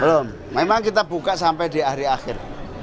belum memang kita buka sampai di hari akhir